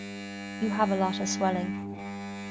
You have a lot of swelling.